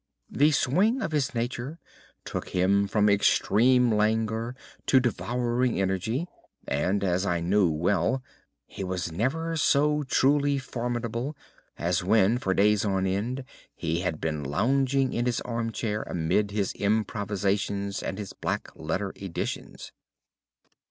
The swing of his nature took him from extreme languor to devouring energy; and, as I knew well, he was never so truly formidable as when, for days on end, he had been lounging in his armchair amid his improvisations and his black letter editions.